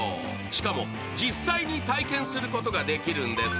しかも実際に体験することができるんです。